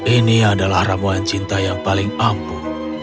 ini adalah ramuan cinta yang paling ampuh